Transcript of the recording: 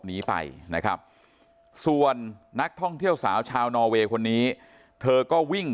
หนีไปนะครับส่วนนักท่องเที่ยวสาวชาวนอเวย์คนนี้เธอก็วิ่ง